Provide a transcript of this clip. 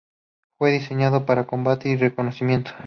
Fue diseñado para combate y reconocimiento.